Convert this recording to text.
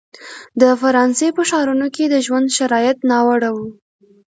د فرانسې په ښارونو کې د ژوند شرایط ناوړه وو.